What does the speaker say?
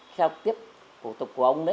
theo tiếp cổ tục của ông đấy